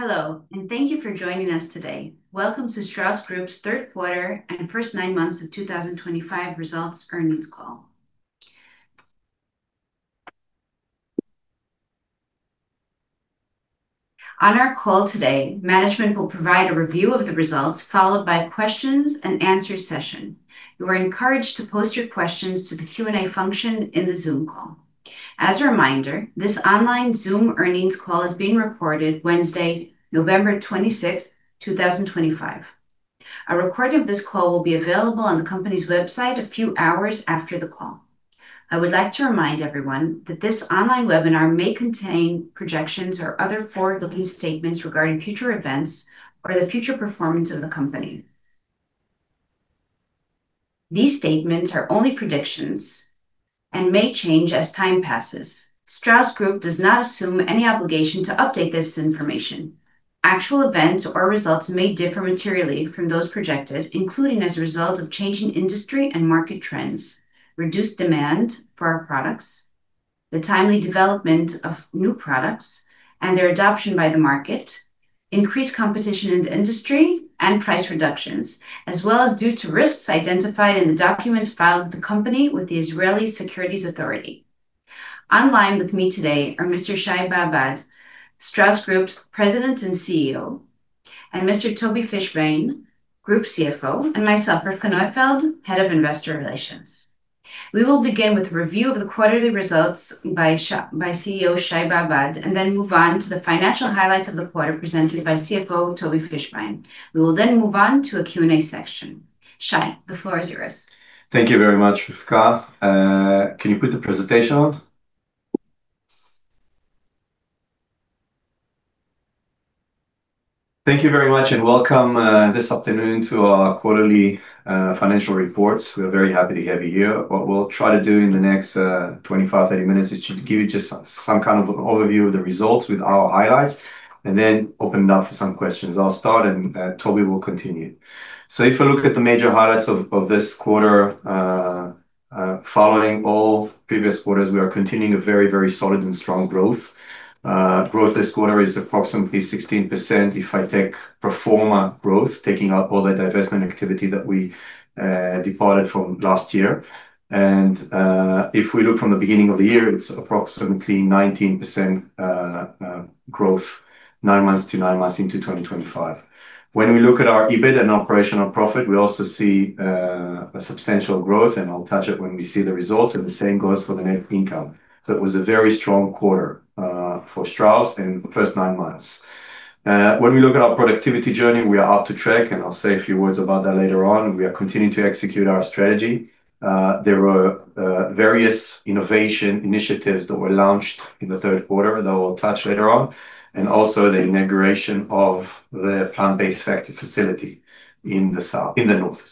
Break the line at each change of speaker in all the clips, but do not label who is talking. Hello, and thank you for joining us today. Welcome to Strauss Group's third quarter and first nine months of 2025 results earnings call. On our call today, management will provide a review of the results followed by a questions and answers session. You are encouraged to post your questions to the Q&A function in the Zoom call. As a reminder, this online Zoom earnings call is being recorded Wednesday, November 26, 2025. A recording of this call will be available on the company's website a few hours after the call. I would like to remind everyone that this online webinar may contain projections or other forward-looking statements regarding future events or the future performance of the company. These statements are only predictions and may change as time passes. Strauss Group does not assume any obligation to update this information. Actual events or results may differ materially from those projected, including as a result of changing industry and market trends, reduced demand for our products, the timely development of new products and their adoption by the market, increased competition in the industry, and price reductions, as well as due to risks identified in the documents filed with the company with the Israeli Securities Authority. Online with me today are Mr. Shai Babad, Strauss Group's President and CEO, and Mr. Tobi Fischbein, Group CFO, and myself, Rivka Neufeld, Head of Investor Relations. We will begin with a review of the quarterly results by CEO Shai Babad and then move on to the financial highlights of the quarter presented by CFO Tobi Fischbein. We will then move on to a Q&A section. Shai, the floor is yours.
Thank you very much, Rivka. Can you put the presentation on?
Yes.
Thank you very much, and welcome this afternoon to our quarterly financial reports. We are very happy to have you here. What we'll try to do in the next 25-30 minutes is to give you just some kind of overview of the results with our highlights and then open it up for some questions. I'll start, and Tobi will continue. If we look at the major highlights of this quarter, following all previous quarters, we are continuing a very, very solid and strong growth. Growth this quarter is approximately 16% if I take proforma growth, taking out all the divestment activity that we departed from last year. If we look from the beginning of the year, it's approximately 19% growth nine months to nine months into 2025. When we look at our EBIT and operational profit, we also see a substantial growth, and I'll touch it when we see the results, and the same goes for the net income. It was a very strong quarter for Strauss in the first nine months. When we look at our productivity journey, we are up to track, and I'll say a few words about that later on. We are continuing to execute our strategy. There were various innovation initiatives that were launched in the third quarter that we'll touch later on, and also the inauguration of the plant-based factory facility in the north.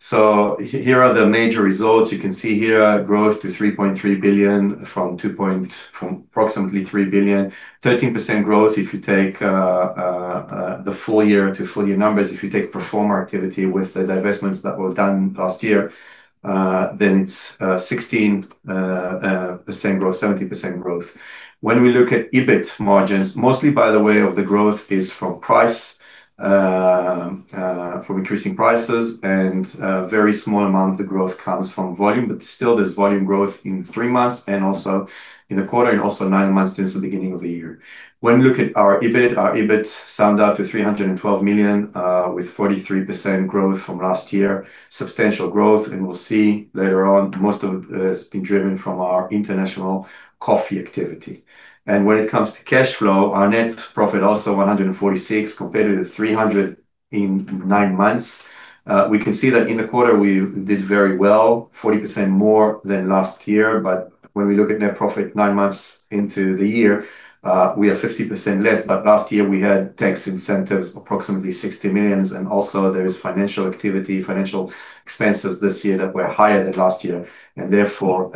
Here are the major results. You can see here growth to NIS 3.3 billion from approximately NIS 3 billion, 13% growth if you take the full year to full year numbers. If you take proforma activity with the divestments that were done last year, then it's 16% growth, 17% growth. When we look at EBIT margins, mostly, by the way, of the growth is from price, from increasing prices, and a very small amount of the growth comes from volume, but still there's volume growth in three months and also in the quarter and also nine months since the beginning of the year. When we look at our EBIT, our EBIT summed up to NIS 312 million with 43% growth from last year, substantial growth, and we'll see later on most of it has been driven from our international coffee activity. When it comes to cash flow, our net profit also NIS 146 million compared to the NIS 300 million in nine months. We can see that in the quarter we did very well, 40% more than last year, but when we look at net profit nine months into the year, we are 50% less, but last year we had tax incentives, approximately NIS 60 million, and also there is financial activity, financial expenses this year that were higher than last year, and therefore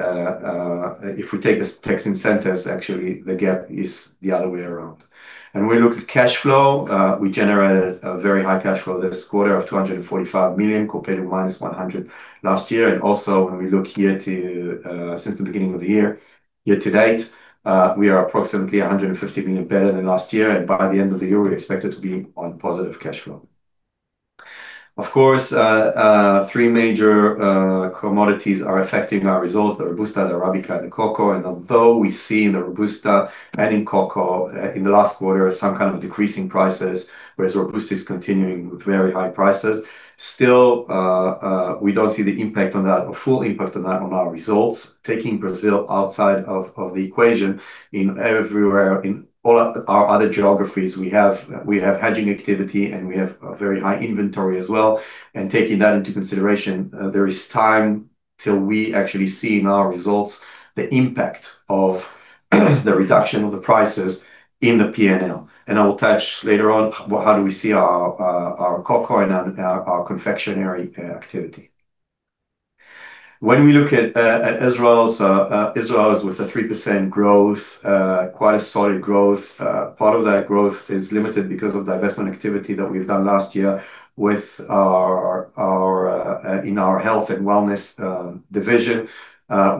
if we take this tax incentives, actually the gap is the other way around. When we look at cash flow, we generated a very high cash flow this quarter of NIS 245 million compared to -NIS 100 million last year, and also when we look here to since the beginning of the year to date, we are approximately NIS 150 million better than last year, and by the end of the year, we expect it to be on positive cash flow. Of course, three major commodities are affecting our results: the Robusta, the Arabica, and the cocoa, and although we see in the Robusta and in cocoa in the last quarter some kind of decreasing prices, whereas Robusta is continuing with very high prices, still we don't see the impact on that, a full impact on that, on our results. Taking Brazil outside of the equation in everywhere in all our other geographies, we have hedging activity and we have very high inventory as well, and taking that into consideration, there is time till we actually see in our results the impact of the reduction of the prices in the P&L, and I will touch later on how do we see our cocoa and our confectionery activity. When we look at Israel's with the 3% growth, quite a solid growth. Part of that growth is limited because of divestment activity that we've done last year with our in our health and wellness division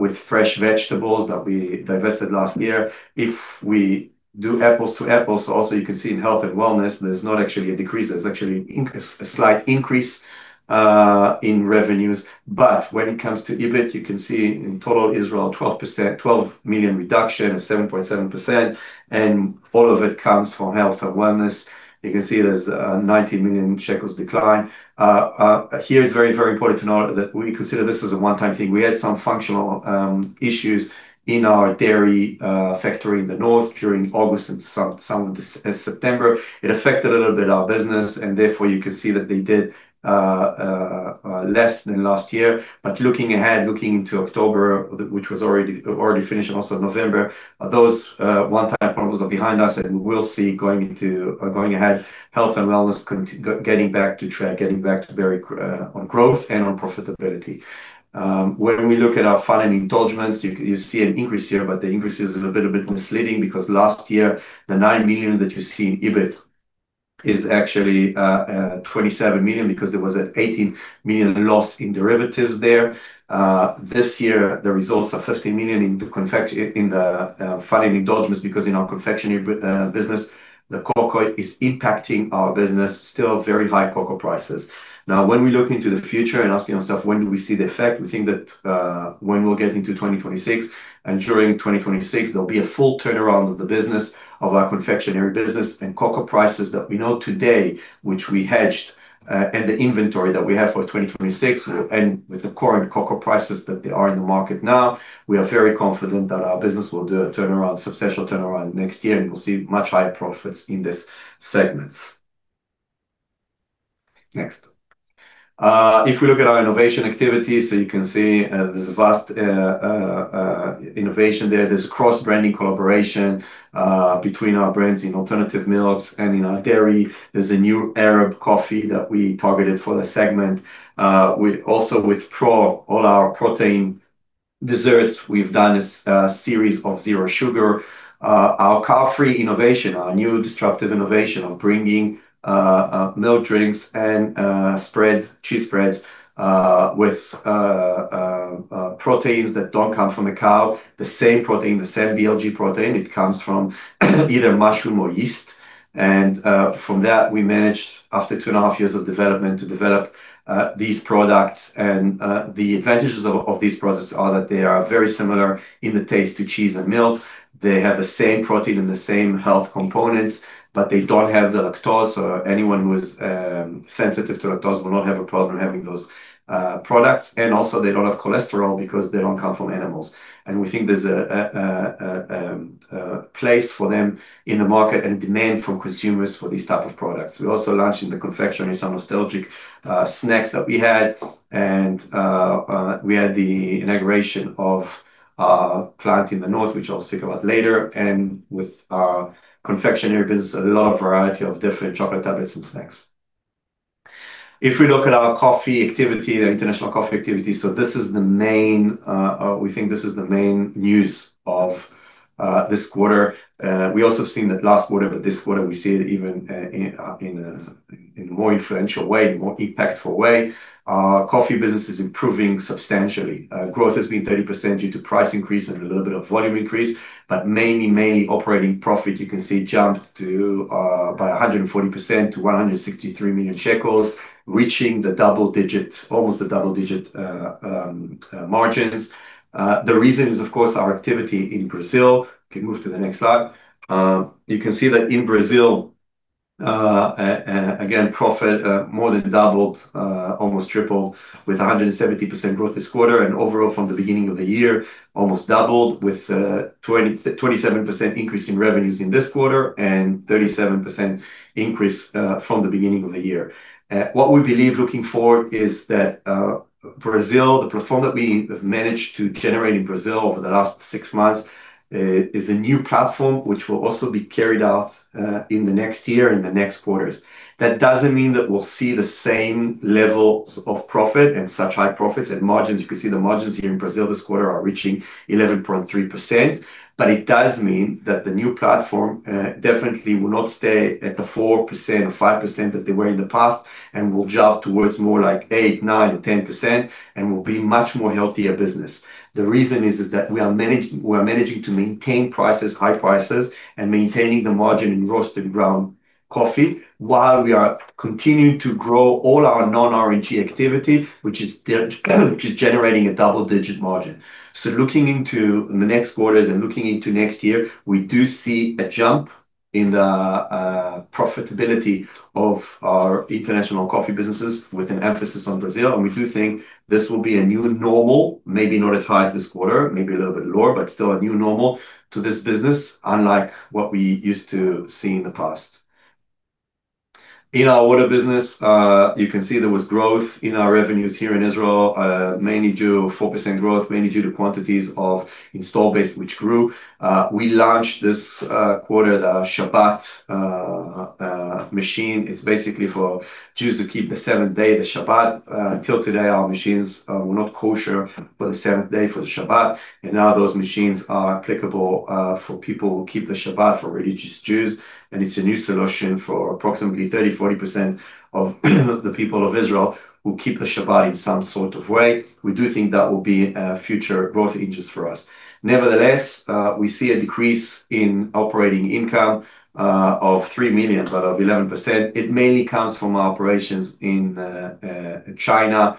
with fresh vegetables that we divested last year. If we do apples to apples, also you can see in health and wellness, there's not actually a decrease, there's actually a slight increase in revenues, but when it comes to EBIT, you can see in total Israel, 12%, 12 million reduction of 7.7%, and all of it comes from health and wellness. You can see there's a 90 million shekels decline. Here it's very, very important to know that we consider this as a one-time thing. We had some functional issues in our dairy factory in the north during August and some of September. It affected a little bit our business, and therefore you can see that they did less than last year, but looking ahead, looking into October, which was already finished, also November, those one-time problems are behind us and we will see going into going ahead, health and wellness getting back to track, getting back to very on growth and on profitability. When we look at our funding indulgements, you see an increase here, but the increase is a little bit misleading because last year the NIS 9 million that you see in EBIT is actually NIS 27 million because there was an NIS 18 million loss in derivatives there. This year the results are NIS 15 million in the funding indulgements because in our confectionery business, the cocoa is impacting our business, still very high cocoa prices. Now, when we look into the future and asking ourselves when do we see the effect, we think that when we'll get into 2026 and during 2026, there'll be a full turnaround of the business of our confectionery business and cocoa prices that we know today, which we hedged, and the inventory that we have for 2026 will end with the current cocoa prices that they are in the market now. We are very confident that our business will do a turnaround, substantial turnaround next year, and we'll see much higher profits in these segments. Next. If we look at our innovation activity, you can see there's a vast innovation there. There's a cross-branding collaboration between our brands in alternative milks and in our dairy. There's a new Arabica coffee that we targeted for the segment. We also withdraw all our protein desserts. We've done a series of zero sugar. Our cow-free innovation, our new disruptive innovation of bringing milk drinks and cheese spreads with proteins that don't come from the cow, the same protein, the same BLG protein, it comes from either mushroom or yeast, and from that we managed after two and a half years of development to develop these products, and the advantages of these products are that they are very similar in the taste to cheese and milk. They have the same protein and the same health components, but they don't have the lactose, so anyone who is sensitive to lactose will not have a problem having those products, and also they don't have cholesterol because they don't come from animals, and we think there's a place for them in the market and demand from consumers for these types of products. We also launched in the confectionery some nostalgic snacks that we had, and we had the inauguration of a plant in the north, which I'll speak about later, and with our confectionery business, a lot of variety of different chocolate tablets and snacks. If we look at our coffee activity, the international coffee activity, this is the main, we think this is the main news of this quarter. We also have seen that last quarter, but this quarter we see it even in a more influential way, more impactful way. Our coffee business is improving substantially. Growth has been 30% due to price increase and a little bit of volume increase, but mainly, mainly operating profit, you can see jumped by 140% to NIS 163 million, reaching the double digit, almost the double digit margins. The reason is, of course, our activity in Brazil. You can move to the next slide. You can see that in Brazil, again, profit more than doubled, almost tripled with 170% growth this quarter, and overall from the beginning of the year, almost doubled with 27% increase in revenues in this quarter and 37% increase from the beginning of the year. What we believe looking for is that Brazil, the performance that we have managed to generate in Brazil over the last six months is a new platform which will also be carried out in the next year and the next quarters. That does not mean that we will see the same level of profit and such high profits and margins. You can see the margins here in Brazil this quarter are reaching 11.3%, but it does mean that the new platform definitely will not stay at the 4% or 5% that they were in the past and will jump towards more like 8%, 9%, 10%, and will be much more healthier business. The reason is that we are managing to maintain prices, high prices, and maintaining the margin in roasted ground coffee while we are continuing to grow all our non-R&G activity, which is generating a double-digit margin. Looking into the next quarters and looking into next year, we do see a jump in the profitability of our international coffee businesses with an emphasis on Brazil, and we do think this will be a new normal, maybe not as high as this quarter, maybe a little bit lower, but still a new normal to this business, unlike what we used to see in the past. In our water business, you can see there was growth in our revenues here in Israel, mainly due to 4% growth, mainly due to quantities of installed base, which grew. We launched this quarter the Shabbat machine. It's basically for Jews to keep the seventh day, the Shabbat. Until today, our machines were not kosher for the seventh day for the Shabbat, and now those machines are applicable for people who keep the Shabbat, for religious Jews, and it's a new solution for approximately 30%-40% of the people of Israel who keep the Shabbat in some sort of way. We do think that will be future growth engines for us. Nevertheless, we see a decrease in operating income of $3 million, but of 11%. It mainly comes from our operations in China.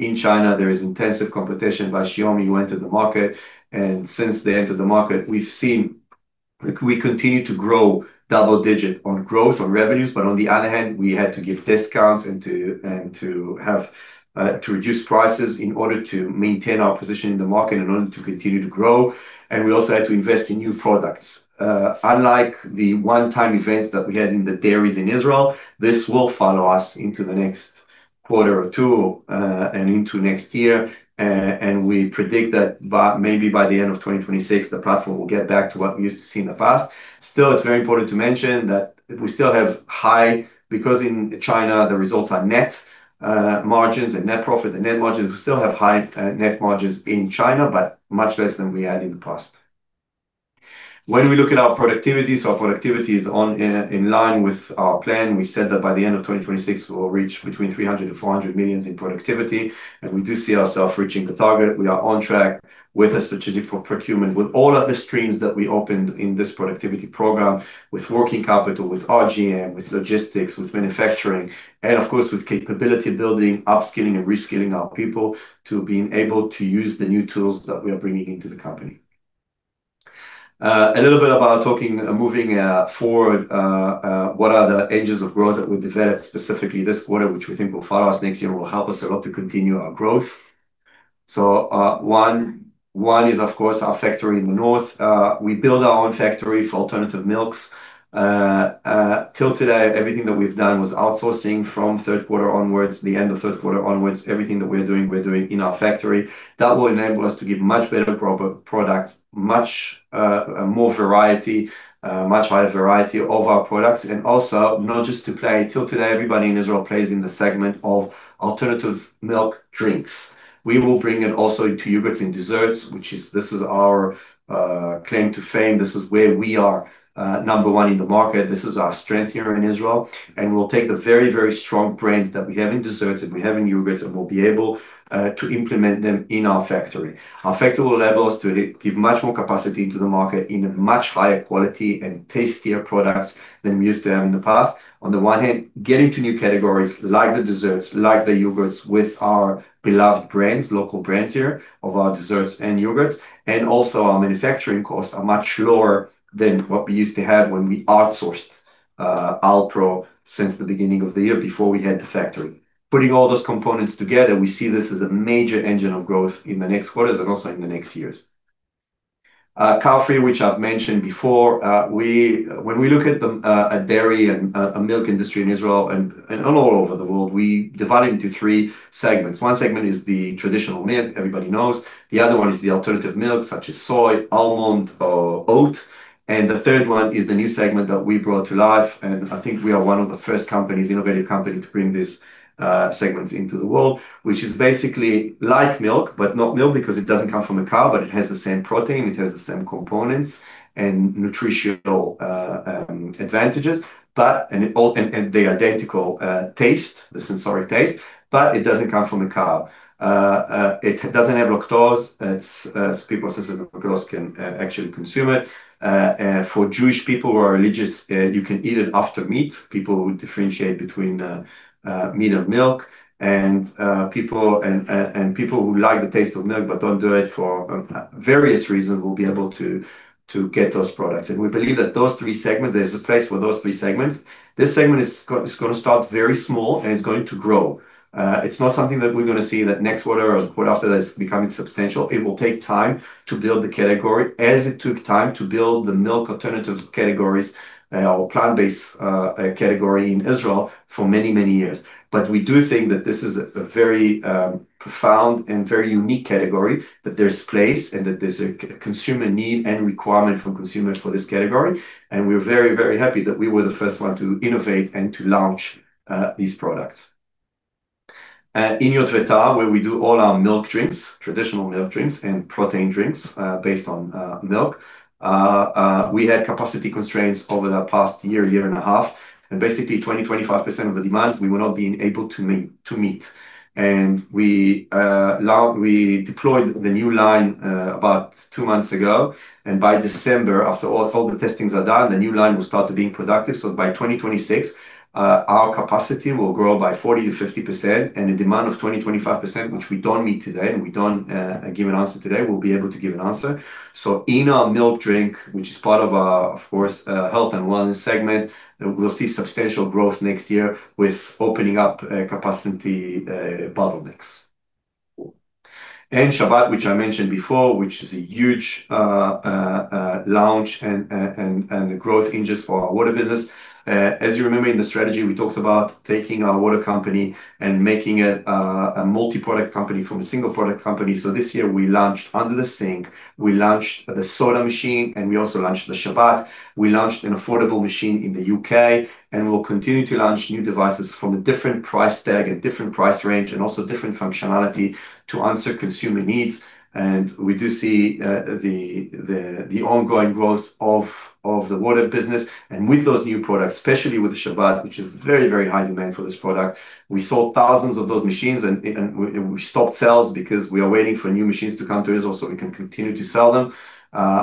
In China, there is intensive competition by Xiaomi who entered the market, and since they entered the market, we've seen we continue to grow double-digit on growth on revenues, but on the other hand, we had to give discounts and to reduce prices in order to maintain our position in the market and in order to continue to grow, and we also had to invest in new products. Unlike the one-time events that we had in the dairies in Israel, this will follow us into the next quarter or two and into next year, and we predict that maybe by the end of 2026, the platform will get back to what we used to see in the past. Still, it's very important to mention that we still have high, because in China, the results are net margins and net profit and net margins. We still have high net margins in China, but much less than we had in the past. When we look at our productivity, our productivity is in line with our plan. We said that by the end of 2026, we will reach between 300 and 400 million in productivity, and we do see ourselves reaching the target. We are on track with strategic procurement with all of the streams that we opened in this productivity program, with working capital, with RGM, with logistics, with manufacturing, and of course, with capability building, upskilling, and reskilling our people to being able to use the new tools that we are bringing into the company. A little bit about talking moving forward, what are the engines of growth that we developed specifically this quarter, which we think will follow us next year and will help us a lot to continue our growth. One is, of course, our factory in the north. We build our own factory for alternative milks. Till today, everything that we've done was outsourcing. From third quarter onwards, the end of third quarter onwards, everything that we are doing, we're doing in our factory. That will enable us to give much better products, much more variety, much higher variety of our products, and also not just to play. Till today, everybody in Israel plays in the segment of alternative milk drinks. We will bring it also into yogurts and desserts, which is this is our claim to fame. This is where we are number one in the market. This is our strength here in Israel, and we'll take the very, very strong brands that we have in desserts and we have in yogurts and we'll be able to implement them in our factory. Our factory will enable us to give much more capacity into the market in a much higher quality and tastier products than we used to have in the past. On the one hand, getting to new categories like the desserts, like the yogurts with our beloved brands, local brands here of our desserts and yogurts, and also our manufacturing costs are much lower than what we used to have when we outsourced Alpro since the beginning of the year before we had the factory. Putting all those components together, we see this as a major engine of growth in the next quarters and also in the next years. CowFree, which I've mentioned before, when we look at a dairy and a milk industry in Israel and all over the world, we divide it into three segments. One segment is the traditional milk, everybody knows. The other one is the alternative milk, such as soy, almond, or oat. The third one is the new segment that we brought to life, and I think we are one of the first companies, innovative company, to bring these segments into the world, which is basically like milk, but not milk because it does not come from a cow, but it has the same protein, it has the same components, and nutritional advantages, and they are identical taste, the sensory taste, but it does not come from a cow. It does not have lactose, so people sensitive to lactose can actually consume it. For Jewish people who are religious, you can eat it after meat. People would differentiate between meat and milk, and people who like the taste of milk but do not do it for various reasons will be able to get those products. We believe that those three segments, there is a place for those three segments. This segment is going to start very small and it is going to grow. It is not something that we are going to see that next quarter or quarter after that is becoming substantial. It will take time to build the category as it took time to build the milk alternative categories or plant-based category in Israel for many, many years. We do think that this is a very profound and very unique category, that there is place and that there is a consumer need and requirement from consumers for this category, and we are very, very happy that we were the first one to innovate and to launch these products. In Yod Veta, where we do all our milk drinks, traditional milk drinks and protein drinks based on milk, we had capacity constraints over the past year, year and a half, and basically 20%-25% of the demand we were not being able to meet. We deployed the new line about two months ago, and by December, after all the testings are done, the new line will start to be productive. By 2026, our capacity will grow by 40%-50%, and the demand of 20%-25%, which we do not meet today, and we do not give an answer today, we will be able to give an answer. In our milk drink, which is part of our, of course, health and wellness segment, we will see substantial growth next year with opening up capacity bottlenecks. Shabbat, which I mentioned before, is a huge launch and growth engine for our water business. As you remember in the strategy, we talked about taking our water company and making it a multi-product company from a single product company. This year we launched under the sink, we launched the soda machine, and we also launched the Shabbat. We launched an affordable machine in the U.K., and we will continue to launch new devices from a different price tag and different price range and also different functionality to answer consumer needs. We do see the ongoing growth of the water business, and with those new products, especially with the Shabbat, which is very, very high demand for this product, we sold thousands of those machines, and we stopped sales because we are waiting for new machines to come to Israel so we can continue to sell them.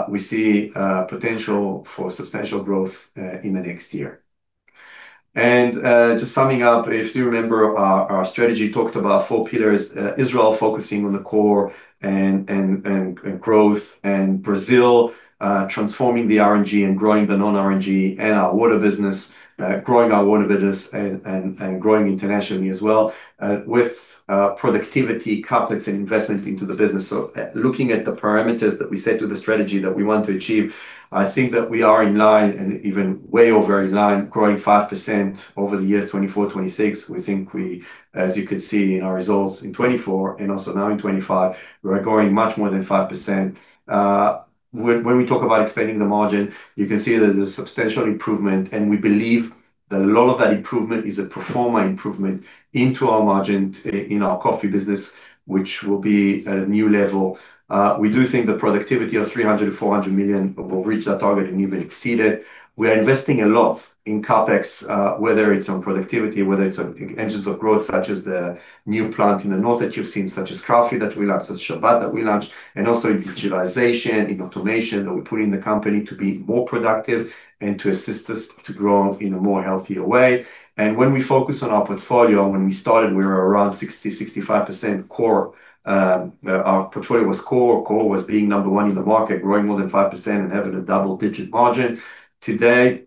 We see potential for substantial growth in the next year. Just summing up, if you remember our strategy, talked about four pillars, Israel focusing on the core and growth, and Brazil transforming the R&G and growing the non-R&G and our water business, growing our water business and growing internationally as well with productivity, capital, and investment into the business. Looking at the parameters that we set to the strategy that we want to achieve, I think that we are in line and even way over in line, growing 5% over the years 2024-2026. We think we, as you can see in our results in 2024 and also now in 2025, we are growing much more than 5%. When we talk about expanding the margin, you can see there's a substantial improvement, and we believe that a lot of that improvement is a proforma improvement into our margin in our coffee business, which will be at a new level. We do think the productivity of 300-400 million will reach that target and even exceed it. We are investing a lot in CapEx, whether it's on productivity, whether it's on engines of growth such as the new plant in the north that you've seen, such as CowFree that we launched, Shabbat that we launched, and also in digitalization, in automation that we put in the company to be more productive and to assist us to grow in a more healthier way. When we focus on our portfolio, when we started, we were around 60%-65% core. Our portfolio was core. Core was being number one in the market, growing more than 5% and having a double-digit margin. Today,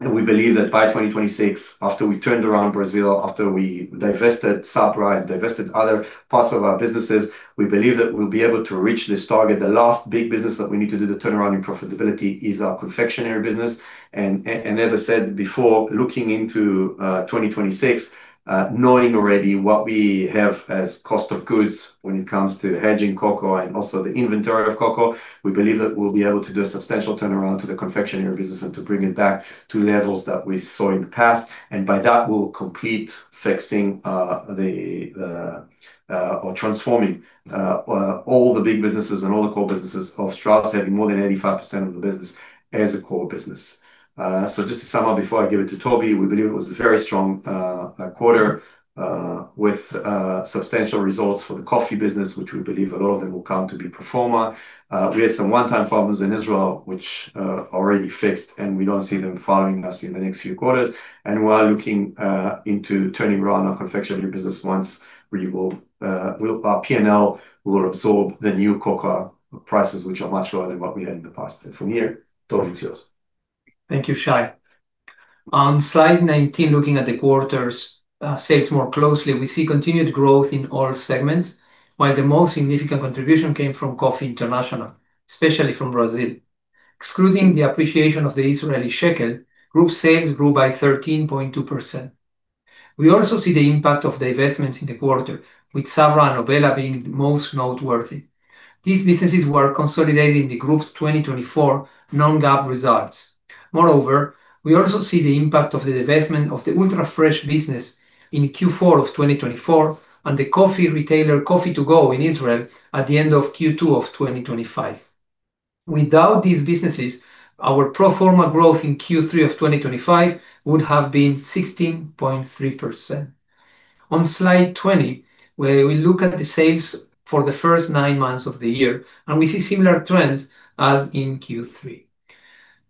we believe that by 2026, after we turned around Brazil, after we divested Sabra, divested other parts of our businesses, we believe that we'll be able to reach this target. The last big business that we need to do to turn around in profitability is our confectionery business. As I said before, looking into 2026, knowing already what we have as cost of goods when it comes to hedging cocoa and also the inventory of cocoa, we believe that we'll be able to do a substantial turnaround to the confectionery business and to bring it back to levels that we saw in the past. By that, we'll complete fixing or transforming all the big businesses and all the core businesses of Strauss, having more than 85% of the business as a core business. Just to sum up before I give it to Tobi, we believe it was a very strong quarter with substantial results for the coffee business, which we believe a lot of them will come to be proforma. We had some one-time problems in Israel, which are already fixed, and we do not see them following us in the next few quarters. We are looking into turning around our confectionery business once our P&L will absorb the new cocoa prices, which are much lower than what we had in the past. From here, Tobi, it's yours.
Thank you, Shai. On slide 19, looking at the quarter's sales more closely, we see continued growth in all segments, while the most significant contribution came from Coffee International, especially from Brazil. Excluding the appreciation of the Israeli Shekel, group sales grew by 13.2%. We also see the impact of the investments in the quarter, with Sabra and Obela being the most noteworthy. These businesses were consolidated in the group's 2024 non-GAAP results. Moreover, we also see the impact of the investment of the Ultra Fresh business in Q4 of 2024 and the coffee retailer Coffee to Go in Israel at the end of Q2 of 2025. Without these businesses, our proforma growth in Q3 of 2025 would have been 16.3%. On slide 20, we look at the sales for the first nine months of the year, and we see similar trends as in Q3.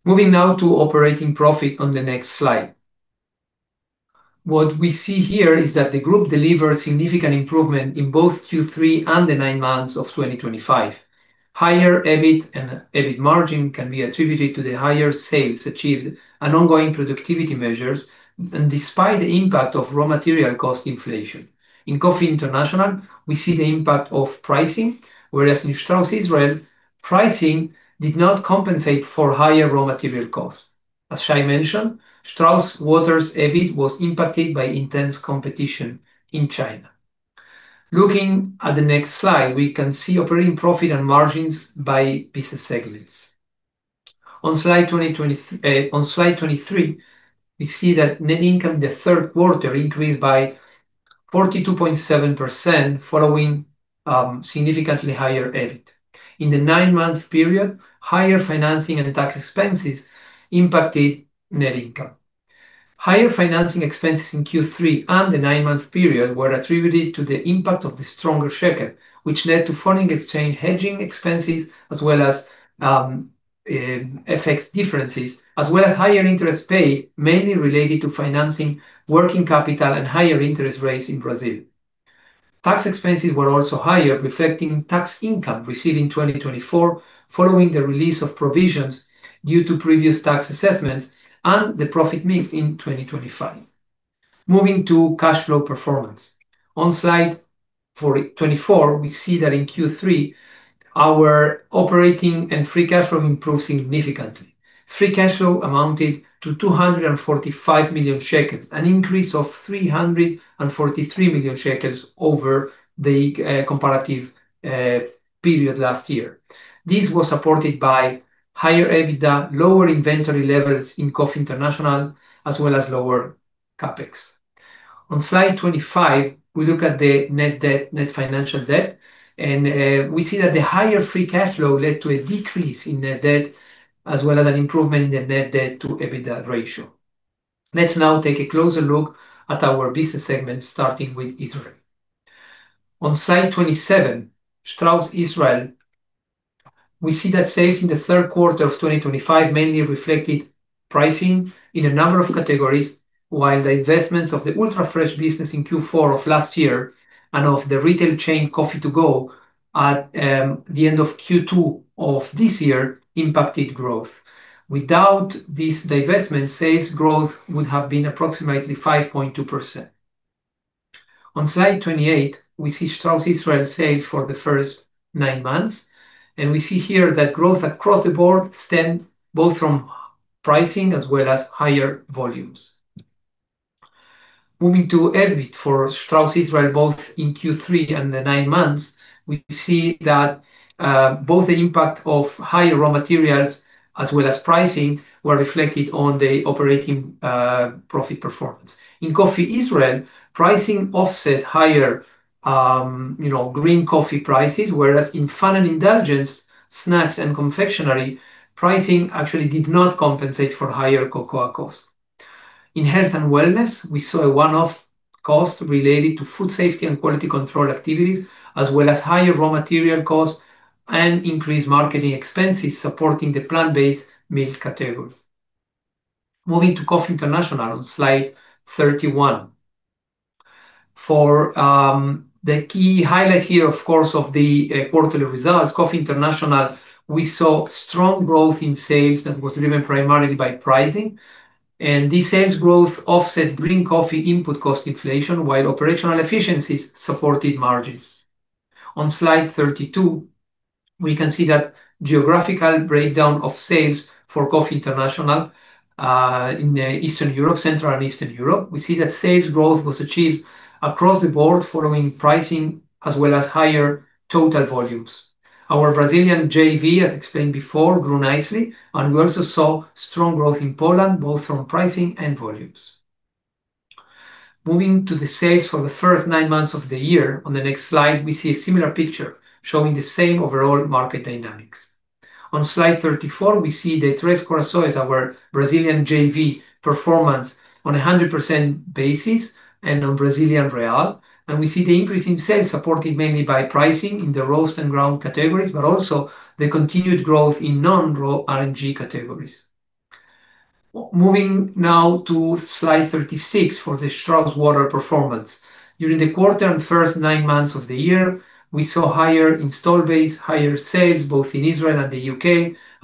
Moving now to operating profit on the next slide. What we see here is that the group delivered significant improvement in both Q3 and the nine months of 2025. Higher EBIT and EBIT margin can be attributed to the higher sales achieved and ongoing productivity measures, and despite the impact of raw material cost inflation. In Coffee International, we see the impact of pricing, whereas in Strauss Israel, pricing did not compensate for higher raw material costs. As Shai mentioned, Strauss Water's EBIT was impacted by intense competition in China. Looking at the next slide, we can see operating profit and margins by business segments. On slide 23, we see that net income in the third quarter increased by 42.7% following significantly higher EBIT. In the nine-month period, higher financing and tax expenses impacted net income. Higher financing expenses in Q3 and the nine-month period were attributed to the impact of the stronger shekel, which led to foreign exchange hedging expenses as well as FX differences, as well as higher interest paid, mainly related to financing, working capital, and higher interest rates in Brazil. Tax expenses were also higher, reflecting tax income received in 2024 following the release of provisions due to previous tax assessments and the profit mix in 2025. Moving to cash flow performance. On slide 24, we see that in Q3, our operating and free cash flow improved significantly. Free cash flow amounted to NIS 245 million, an increase of NIS 343 million over the comparative period last year. This was supported by higher EBITDA, lower inventory levels in Coffee International, as well as lower CapEx. On slide 25, we look at the net debt, net financial debt, and we see that the higher free cash flow led to a decrease in net debt, as well as an improvement in the net debt to EBITDA ratio. Let's now take a closer look at our business segment, starting with Israel. On slide 27, Strauss Israel, we see that sales in the third quarter of 2025 mainly reflected pricing in a number of categories, while the investments of the Ultra Fresh business in Q4 of last year and of the retail chain Coffee to Go at the end of Q2 of this year impacted growth. Without these divestments, sales growth would have been approximately 5.2%. On slide 28, we see Strauss Israel sales for the first nine months, and we see here that growth across the board stemmed both from pricing as well as higher volumes. Moving to EBIT for Strauss Israel, both in Q3 and the nine months, we see that both the impact of higher raw materials as well as pricing were reflected on the operating profit performance. In Coffee Israel, pricing offset higher green coffee prices, whereas in Fun and Indulgence, snacks and confectionery, pricing actually did not compensate for higher cocoa costs. In health and wellness, we saw a one-off cost related to food safety and quality control activities, as well as higher raw material costs and increased marketing expenses supporting the plant-based milk category. Moving to Coffee International on slide 31. For the key highlight here, of course, of the quarterly results, Coffee International, we saw strong growth in sales that was driven primarily by pricing, and this sales growth offset green coffee input cost inflation, while operational efficiencies supported margins. On slide 32, we can see that geographical breakdown of sales for Coffee International in Eastern Europe, Central and Eastern Europe. We see that sales growth was achieved across the board following pricing as well as higher total volumes. Our Brazilian JV, as explained before, grew nicely, and we also saw strong growth in Poland, both from pricing and volumes. Moving to the sales for the first nine months of the year, on the next slide, we see a similar picture showing the same overall market dynamics. On slide 34, we see the Três Corações, our Brazilian JV, performance on a 100% basis and on Brazilian Real, and we see the increase in sales supported mainly by pricing in the roast and ground categories, but also the continued growth in non-R&G categories. Moving now to slide 36 for the Strauss Water performance. During the quarter and first nine months of the year, we saw higher install base, higher sales both in Israel and the U.K.,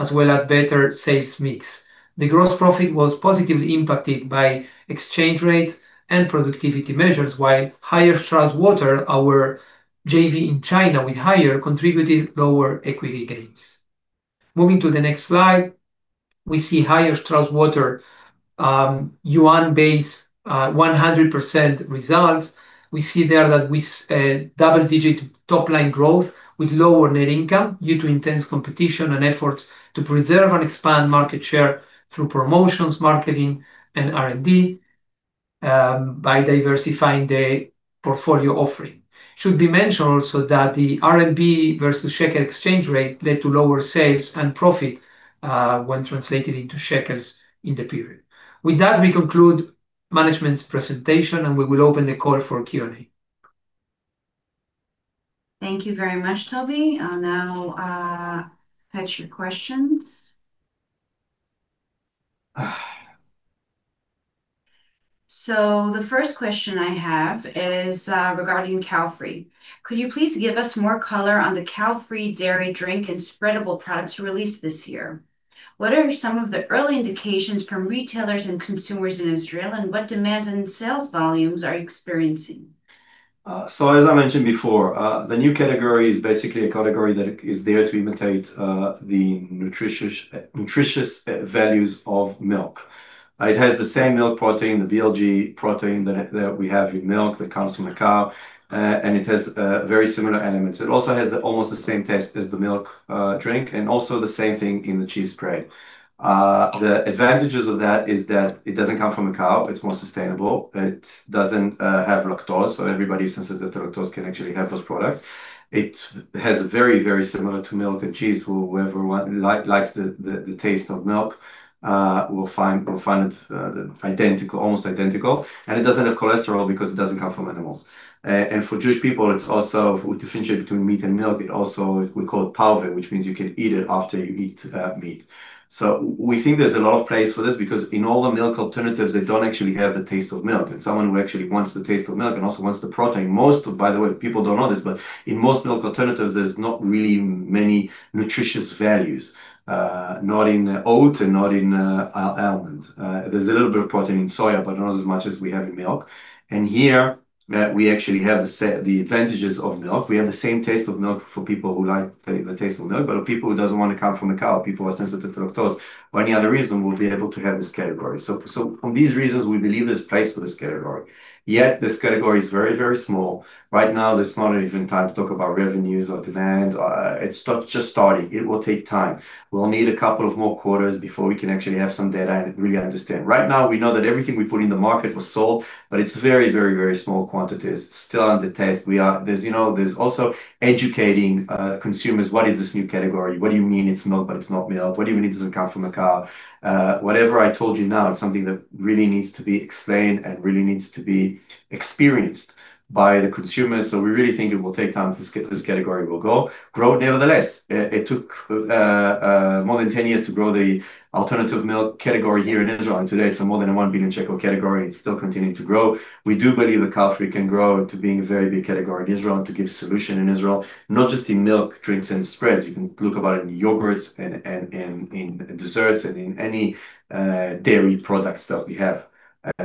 as well as better sales mix. The gross profit was positively impacted by exchange rates and productivity measures, while higher Strauss Water, our JV in China with higher, contributed lower equity gains. Moving to the next slide, we see higher Strauss Water yuan-based 100% results. We see there that we double-digit top-line growth with lower net income due to intense competition and efforts to preserve and expand market share through promotions, marketing, and R&D by diversifying the portfolio offering. It should be mentioned also that the RMB versus shekel exchange rate led to lower sales and profit when translated into shekels in the period. With that, we conclude management's presentation, and we will open the call for Q&A.
Thank you very much, Tobi. I'll now fetch your questions. The first question I have is regarding CowFree. Could you please give us more color on the CowFree dairy drink and spreadable products released this year? What are some of the early indications from retailers and consumers in Israel, and what demand and sales volumes are you experiencing?
As I mentioned before, the new category is basically a category that is there to imitate the nutritious values of milk. It has the same milk protein, the BLG protein that we have in milk that comes from the cow, and it has very similar elements. It also has almost the same taste as the milk drink and also the same thing in the cheese spread. The advantages of that is that it does not come from a cow. It is more sustainable. It doesn't have lactose, so everybody senses that the lactose can actually have those products. It has very, very similar to milk and cheese. Whoever likes the taste of milk will find it almost identical. It doesn't have cholesterol because it doesn't come from animals. For Jewish people, it's also with the differentiation between meat and milk. It also, we call it pareve, which means you can eat it after you eat meat. We think there's a lot of place for this because in all the milk alternatives, they don't actually have the taste of milk. Someone who actually wants the taste of milk and also wants the protein, most of, by the way, people don't know this, but in most milk alternatives, there's not really many nutritious values, not in oat and not in almond. There's a little bit of protein in soya, but not as much as we have in milk. Here, we actually have the advantages of milk. We have the same taste of milk for people who like the taste of milk, but for people who do not want to come from a cow, people who are sensitive to lactose or any other reason, we will be able to have this category. For these reasons, we believe there is place for this category. Yet this category is very, very small. Right now, there is not even time to talk about revenues or demand. It is just starting. It will take time. We will need a couple of more quarters before we can actually have some data and really understand. Right now, we know that everything we put in the market was sold, but it is very, very, very small quantities still under test. There is also educating consumers. What is this new category? What do you mean it's milk, but it's not milk? What do you mean it doesn't come from a cow? Whatever I told you now is something that really needs to be explained and really needs to be experienced by the consumers. We really think it will take time until this category will grow. Nevertheless, it took more than 10 years to grow the alternative milk category here in Israel. Today, it's a more than 1 billion shekel category. It's still continuing to grow. We do believe that CowFree can grow into being a very big category in Israel and to give solution in Israel, not just in milk, drinks, and spreads. You can look about it in yogurts and in desserts and in any dairy products that we have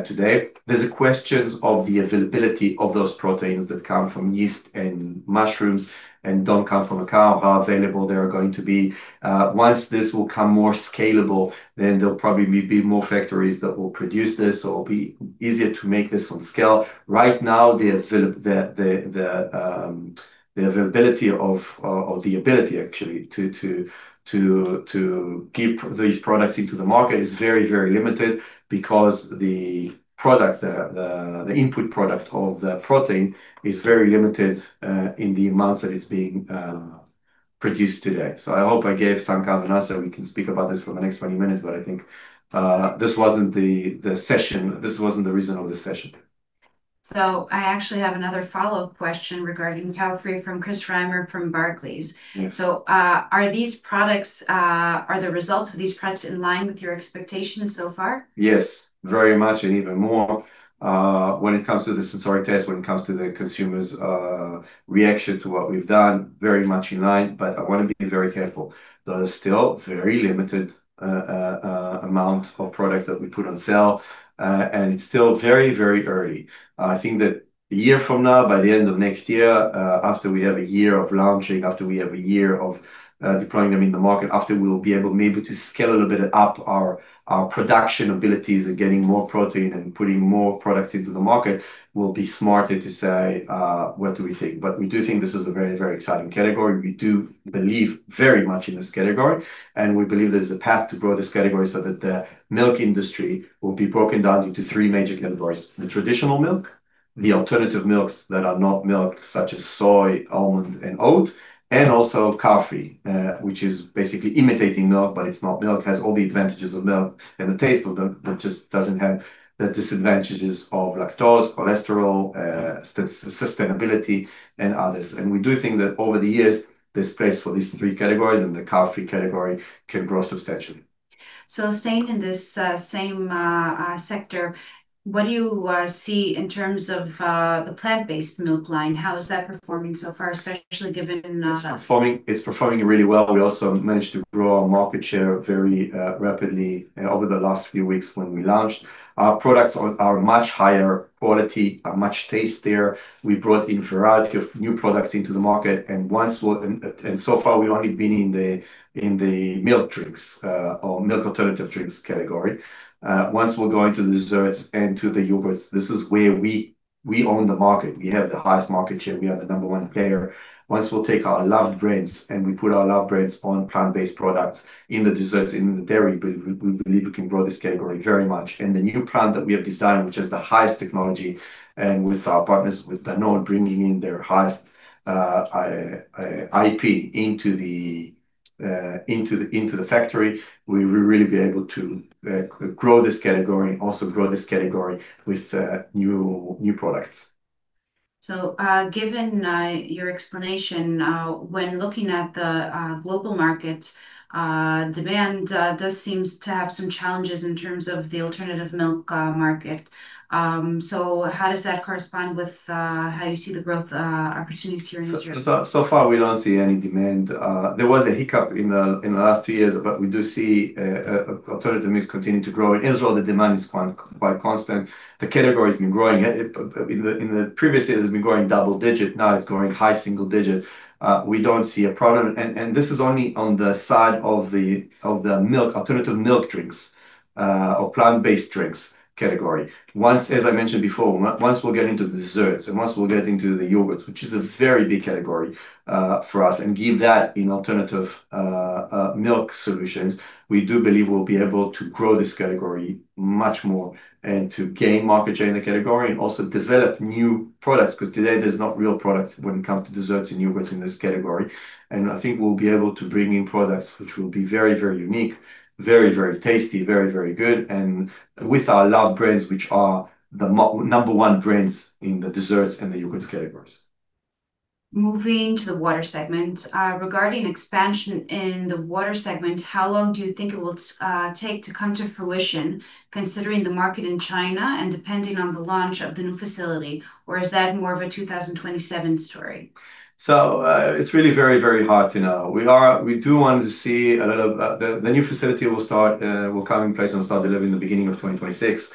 today. There's a question of the availability of those proteins that come from yeast and mushrooms and don't come from a cow, how available they are going to be. Once this will become more scalable, then there'll probably be more factories that will produce this, so it'll be easier to make this on scale. Right now, the availability of, or the ability actually, to give these products into the market is very, very limited because the product, the input product of the protein, is very limited in the amounts that it's being produced today. I hope I gave some kind of an answer. We can speak about this for the next 20 minutes, but I think this wasn't the session. This wasn't the reason of the session.
I actually have another follow-up question regarding CowFree from Chris Reimer from Barclays. Are these products, are the results of these products in line with your expectations so far?
Yes, very much and even more when it comes to the sensory test, when it comes to the consumer's reaction to what we've done, very much in line. I want to be very careful. There is still a very limited amount of products that we put on sale, and it is still very, very early. I think that a year from now, by the end of next year, after we have a year of launching, after we have a year of deploying them in the market, after we will be able to scale a little bit up our production abilities and getting more protein and putting more products into the market, we will be smarter to say, "What do we think?" We do think this is a very, very exciting category. We do believe very much in this category, and we believe there's a path to grow this category so that the milk industry will be broken down into three major categories: the traditional milk, the alternative milks that are not milk, such as soy, almond, and oat, and also CowFree, which is basically imitating milk, but it's not milk, has all the advantages of milk and the taste of milk, but just doesn't have the disadvantages of lactose, cholesterol, sustainability, and others. We do think that over the years, there's place for these three categories, and the CowFree category can grow substantially.
Staying in this same sector, what do you see in terms of the plant-based milk line? How is that performing so far, especially given?
It's performing really well. We also managed to grow our market share very rapidly over the last few weeks when we launched. Our products are much higher quality, much tastier. We brought in a variety of new products into the market. So far, we've only been in the milk drinks or milk alternative drinks category. Once we're going to the desserts and to the yogurts, this is where we own the market. We have the highest market share. We are the number one player. Once we'll take our loved brands and we put our loved brands on plant-based products in the desserts, in the dairy, we believe we can grow this category very much. The new plant that we have designed, which has the highest technology, and with our partners, with Danone bringing in their highest IP into the factory, we will really be able to grow this category, also grow this category with new products.
Given your explanation, when looking at the global markets, demand does seem to have some challenges in terms of the alternative milk market. How does that correspond with how you see the growth opportunities here in Israel?
So far, we do not see any demand. There was a hiccup in the last two years, but we do see alternative milks continue to grow. In Israel, the demand is quite constant. The category has been growing. In the previous years, it has been growing double-digit. Now it is growing high single-digit. We do not see a problem. This is only on the side of the alternative milk drinks or plant-based drinks category. As I mentioned before, once we'll get into the desserts and once we'll get into the yogurts, which is a very big category for us, and give that in alternative milk solutions, we do believe we'll be able to grow this category much more and to gain market share in the category and also develop new products because today there's not real products when it comes to desserts and yogurts in this category. I think we'll be able to bring in products which will be very, very unique, very, very tasty, very, very good, and with our loved brands, which are the number one brands in the desserts and the yogurt categories.
Moving to the water segment. Regarding expansion in the water segment, how long do you think it will take to come to fruition, considering the market in China and depending on the launch of the new facility, or is that more of a 2027 story?
It is really very, very hard to know. We do want to see a lot of the new facility will start, will come in place and start delivering in the beginning of 2026.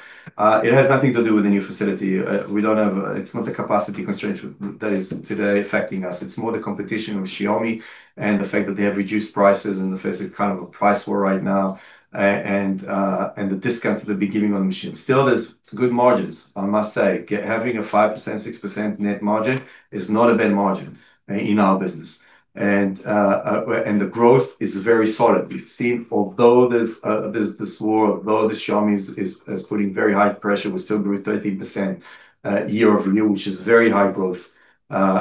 It has nothing to do with the new facility. It is not the capacity constraints that are today affecting us. It is more the competition with Xiaomi and the fact that they have reduced prices and the fact it is kind of a price war right now and the discounts that they have been giving on machines. Still, there are good margins. I must say, having a 5%-6% net margin is not a bad margin in our business. The growth is very solid. We've seen, although there's this war, although Xiaomi is putting very high pressure, we're still growing 13% year-over-year, which is very high growth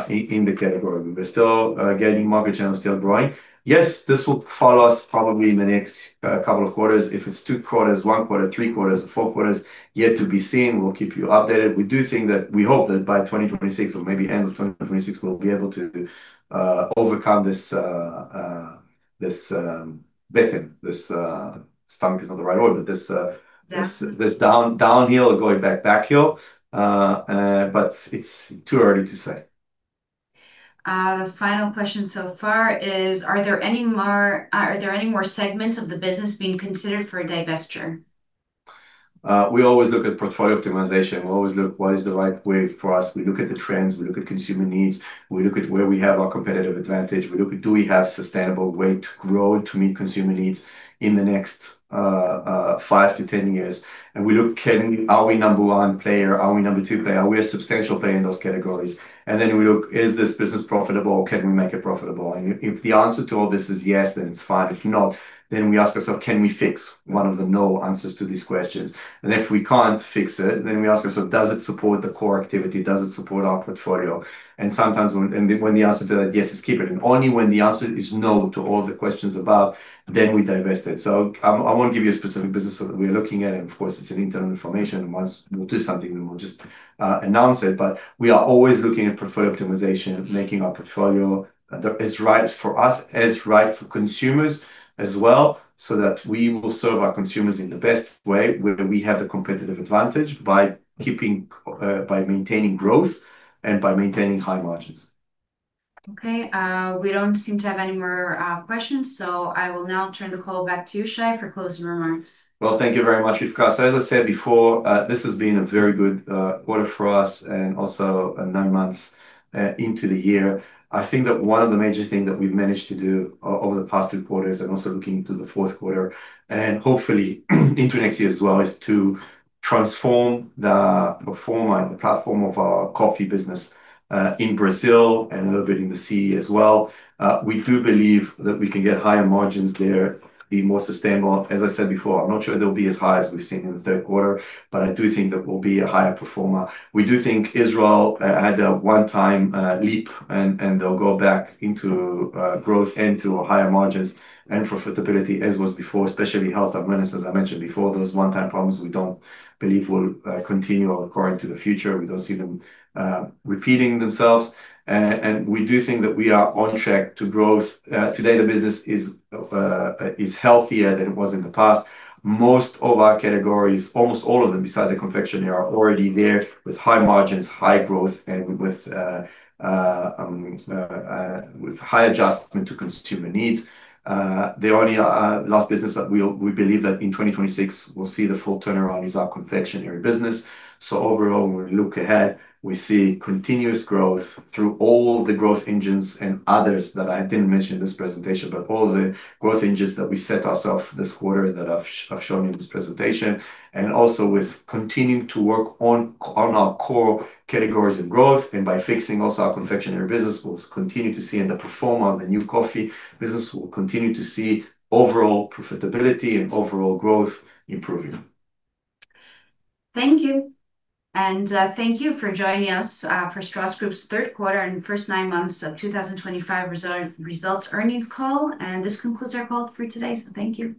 in the category. We're still getting market share and still growing. Yes, this will follow us probably in the next couple of quarters. If it's two quarters, one quarter, three quarters, four quarters, yet to be seen. We'll keep you updated. We do think that we hope that by 2026 or maybe end of 2026, we'll be able to overcome this bedding. Stomach is not the right word, but this downhill, going back, backhill, but it's too early to say.
The final question so far is, are there any more segments of the business being considered for a divestiture?
We always look at portfolio optimization. We always look at what is the right way for us. We look at the trends. We look at consumer needs. We look at where we have our competitive advantage. We look at, do we have a sustainable way to grow to meet consumer needs in the next 5-10 years? We look, are we number one player? Are we number two player? Are we a substantial player in those categories? We look, is this business profitable? Can we make it profitable? If the answer to all this is yes, then it's fine. If not, we ask ourselves, can we fix one of the no answers to these questions? If we can't fix it, we ask ourselves, does it support the core activity? Does it support our portfolio? Sometimes when the answer to that is yes, it's keep it. Only when the answer is no to all the questions above, then we divest it. I will not give you a specific business that we are looking at. Of course, it is internal information. Once we do something, we will just announce it. We are always looking at portfolio optimization, making our portfolio as right for us, as right for consumers as well, so that we will serve our consumers in the best way where we have the competitive advantage by maintaining growth and by maintaining high margins.
Okay. We do not seem to have any more questions, so I will now turn the call back to you, Shai, for closing remarks.
Thank you very much, Rivka. As I said before, this has been a very good quarter for us and also nine months into the year. I think that one of the major things that we've managed to do over the past two quarters and also looking into the fourth quarter and hopefully into next year as well is to transform the platform of our coffee business in Brazil and a little bit in the SEA as well. We do believe that we can get higher margins there, be more sustainable. As I said before, I'm not sure it'll be as high as we've seen in the third quarter, but I do think that we'll be a higher performer. We do think Israel had a one-time leap, and they'll go back into growth and to higher margins and profitability as was before, especially health and wellness, as I mentioned before. Those one-time problems we don't believe will continue or occur into the future. We don't see them repeating themselves. We do think that we are on track to growth. Today, the business is healthier than it was in the past. Most of our categories, almost all of them besides the confectionery, are already there with high margins, high growth, and with high adjustment to consumer needs. The only last business that we believe that in 2026 we will see the full turnaround is our confectionery business. Overall, when we look ahead, we see continuous growth through all the growth engines and others that I did not mention in this presentation, but all the growth engines that we set ourselves this quarter that I have shown you in this presentation. Also, with continuing to work on our core categories and growth, and by fixing also our confectionery business, we will continue to see and the performer of the new coffee business will continue to see overall profitability and overall growth improving.
Thank you. Thank you for joining us for Strauss Group's third quarter and first nine months of 2025 results earnings call. This concludes our call for today. Thank you.